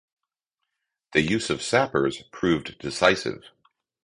The use of sappers proved decisive.